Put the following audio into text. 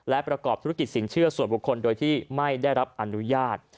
และประกอบธุรกิจสินเชื่อส่วนบุคคลโดยที่ไม่ได้รับอนุญาต